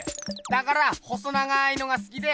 だから細長いのがすきで。